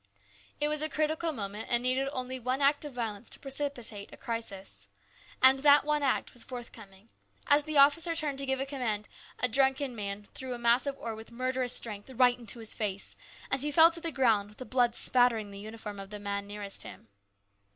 It was a critical moment, and needed only one act of violence to precipitate a crisis. And that one act was forthcoming. As the officer turned to give a command, a drunken man threw a mass of ore with murderous strength right into his face, and he fell to the ground with the blood spattering the uniform of the man nearest him.